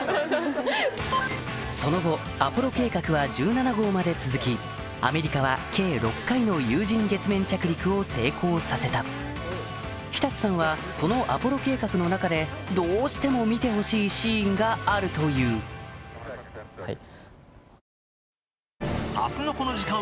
その後アポロ計画は１７号まで続きアメリカは計６回の有人月面着陸を成功させた日達さんはそのアポロ計画の中でどうしても見てほしいシーンがあるといういってらっしゃい！